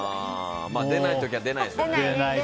出ない時は出ないですよね。